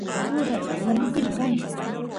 turay warmilu kan